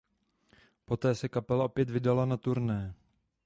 Poté se kapela opět vydala na turné.